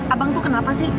abang tuh kenapa sih